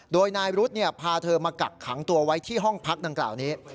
โดยนายรุธพาเธอมากักขังตัวไว้ที่ห้องพักดังกล่าวนี้